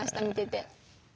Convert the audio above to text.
見てて。